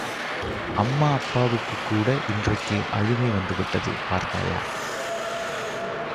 அம்மா அப்பாவுக்குக்கூட இன்றைக்கு அழுகை வந்துவிட்டது, பார்த்தாயா!